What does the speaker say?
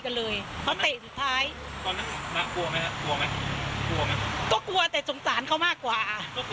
กลัวแต่จงจานเขามากกว่า